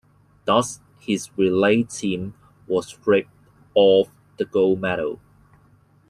Thus his relay team was stripped off the gold medal.